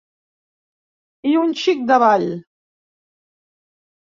I un xic de ball.